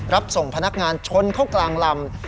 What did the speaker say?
รับส่งพนักงานชนเข้ากลางลำ